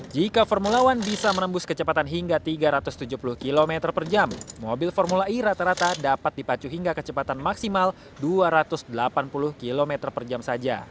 jika formula satu bisa menembus kecepatan hingga tiga ratus tujuh puluh km per jam mobil formula e rata rata dapat dipacu hingga kecepatan maksimal dua ratus delapan puluh km per jam saja